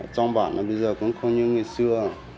trong bản bây giờ cũng không như ngày xưa